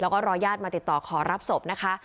แล้วก็รอยอาจมาติดต่อขอรับโสมนะค่ะ